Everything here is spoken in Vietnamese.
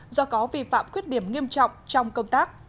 do có vi phạm khuyết điểm nghiêm trọng trong công tác